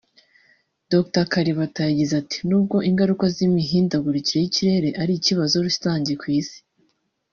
Dr Kalibata yagize ati “Nubwo ingaruka z’imihindagurikire y’ikirere ari ikibazo rusange ku isi